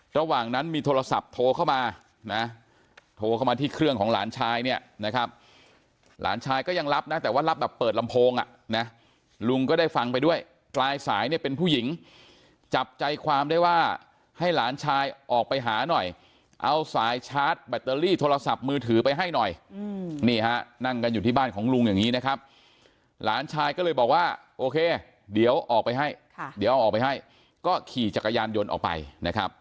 ระหว่างนั้นมีโทรศัพท์โทรเข้ามานะโทรเข้ามาที่เครื่องของหลานชายเนี่ยนะครับหลานชายก็ยังรับนะแต่ว่ารับแบบเปิดลำโพงอ่ะนะลุงก็ได้ฟังไปด้วยกลายสายเนี่ยเป็นผู้หญิงจับใจความได้ว่าให้หลานชายออกไปหาหน่อยเอาสายชาร์จแบตเตอรี่โทรศัพท์มือถือไปให้หน่อยนี่ฮะนั่งกันอยู่ที่บ้านของลุงอย่างนี้นะครับ